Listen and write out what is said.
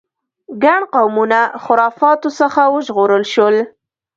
ګڼ قومونه خرافاتو څخه وژغورل شول.